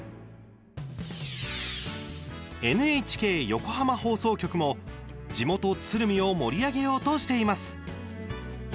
ＮＨＫ横浜放送局も地元鶴見を盛り上げようとしています。